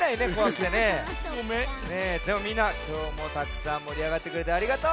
でもみんなきょうもたくさんもりあがってくれてありがとう！